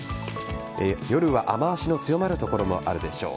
夜は雨脚の強まる所もあるでしょう。